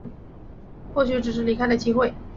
或许只是离开的机会